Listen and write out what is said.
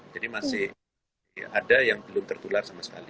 jadi masih ada yang belum tertular sama sekali